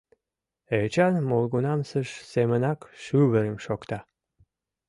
Эчан молгунамсыж семынак шӱвырым шокта.